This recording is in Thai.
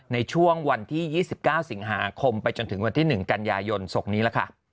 ในช่วงวันที่๒๙สิงหาคมไปจนถึงวันที่๑กันยายนศุกร์นี้ล่ะค่ะ